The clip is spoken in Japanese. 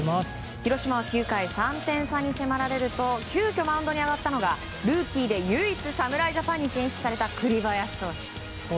広島は９回３点差に迫られると急きょマウンドに上がったのがルーキーで唯一、侍ジャパンに選出された栗林投手。